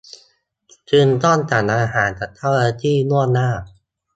จึงต้องสั่งอาหารกับเจ้าหน้าที่ล่วงหน้า